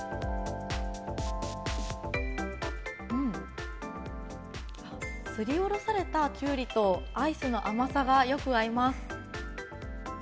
うん、すりおろされたきゅうりと、アイスの甘さがよく合います。